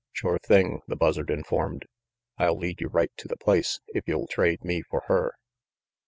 "Sure thing," the Buzzard informed. "I'll lead you right to the place, if you'll trade me for her."